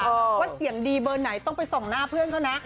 ว่าเสียงดีเบอร์ไหนต้องไปส่องหน้าเพื่อนเขานะ